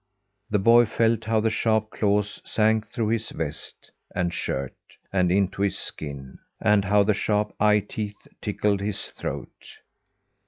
The boy felt how the sharp claws sank through his vest and shirt and into his skin; and how the sharp eye teeth tickled his throat.